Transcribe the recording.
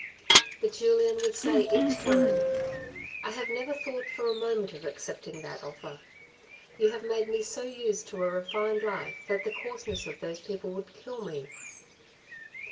But Julien would say each time, " I have never thought for a moment of accepting that offer. You 1 66 THE RED AND THE BLACK have made me so used to a refined life that the coarseness of those people would kill me."